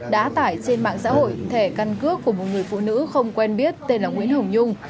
đã tải trên mạng xã hội thẻ căn cước của một người phụ nữ không quen biết tên là nguyễn hồng nhung